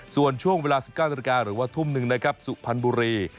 ส่วนช่วงเวลา๑๙นาฬิกาหรือว่าทุ่มหนึ่งนะครับสุพรรณบุรี